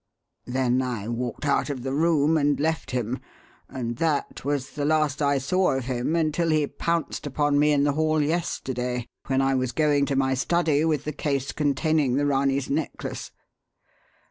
Then I walked out of the room and left him, and that was the last I saw of him until he pounced upon me in the hall yesterday when I was going to my study with the case containing the Ranee's necklace.